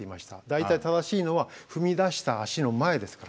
大体正しいのは踏み出した足の前ですからね。